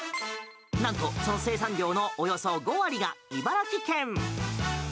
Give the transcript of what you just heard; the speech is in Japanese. なんと、その生産量のおよそ５割が茨城県。